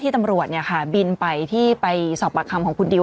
ที่ตำรวจเนี่ยค่ะบินไปที่ไปสอบปฏิคัมของคุณดิว